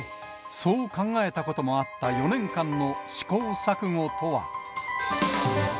そう考えたこともあった４年間の試行錯誤とは。